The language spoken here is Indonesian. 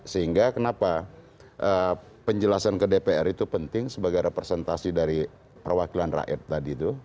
sehingga kenapa penjelasan ke dpr itu penting sebagai representasi dari perwakilan rakyat tadi itu